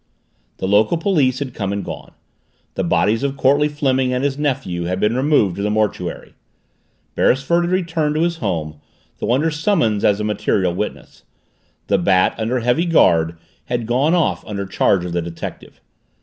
The local police had come and gone; the bodies of Courtleigh Fleming and his nephew had been removed to the mortuary; Beresford had returned to his home, though under summons as a material witness; the Bat, under heavy guard, had gone off under charge of the detective.